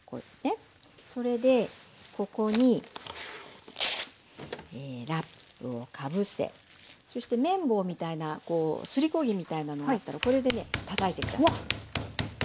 それでここにラップをかぶせそして麺棒みたいなすりこ木みたいなのがあったらこれでねたたいて下さい。